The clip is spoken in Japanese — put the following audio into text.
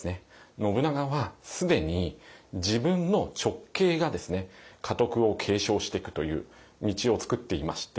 信長は既に自分の直系が家督を継承してくという道を作っていまして。